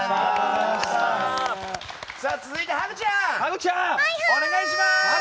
続いてハグちゃんお願いします。